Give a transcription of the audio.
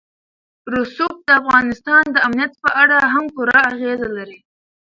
رسوب د افغانستان د امنیت په اړه هم پوره اغېز لري.